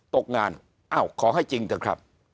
ตกงานอ้าวขอให้จริงเถอะครับ